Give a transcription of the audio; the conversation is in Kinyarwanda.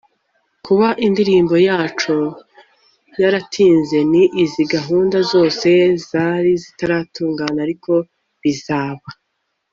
Kuba indirimbo yaco yaratinze ni izi gahunda zose zari zitaratungana arko bizaba